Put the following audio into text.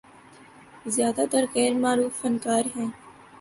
زیادہ تر غیر معروف فنکار ہیں۔